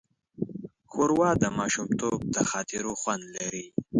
ښوروا د ماشومتوب د خاطرو خوند لري.